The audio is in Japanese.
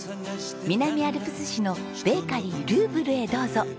南アルプス市のベーカリールーブルへどうぞ。